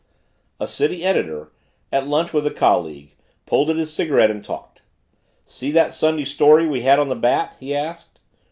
A city editor, at lunch with a colleague, pulled at his cigarette and talked. "See that Sunday story we had on the Bat?" he asked.